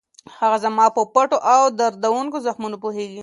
هغه زما په پټو او دردوونکو زخمونو پوهېږي.